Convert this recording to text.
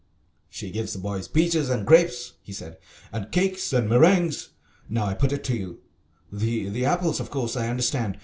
"She gives the boys peaches and grapes," he said, "and cakes and meringues. Now I put it to you the apples of course I understand.